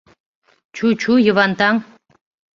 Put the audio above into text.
Чу, чу, Йыван таҥ.